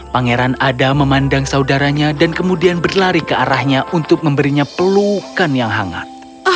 pangeran adam memandang saudaranya dan kemudian berlari ke arahnya untuk memberinya pelukan yang hangat